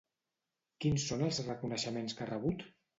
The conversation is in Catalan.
Quins són els reconeixements que ha rebut?